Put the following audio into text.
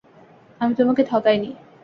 আমি তোমাকে ঠকাইনি।